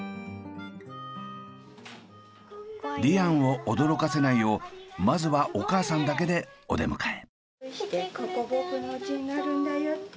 リアンを驚かせないようまずはお母さんだけでお出迎え。